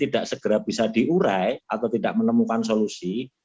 tidak segera bisa diurai atau tidak menemukan solusi